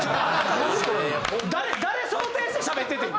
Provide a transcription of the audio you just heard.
誰想定してしゃべっててん？